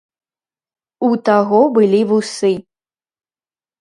У таго былі вусы.